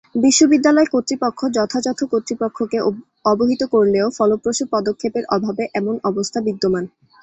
বিশ্ববিদ্যালয় কর্তৃপক্ষ যথাযথ কর্তৃপক্ষকে অবহিত করলেও ফলপ্রসূ পদক্ষেপের অভাবে এমন অবস্থা বিদ্যমান।